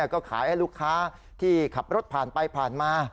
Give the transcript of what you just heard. ก็ขายให้ลูกค้าที่ขับรถผ่านไปผ่านมา